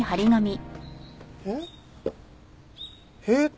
えっ？